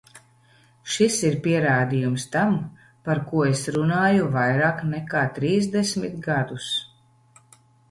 Šis ir pierādījums tam, par ko es runāju vairāk nekā trīsdesmit gadus.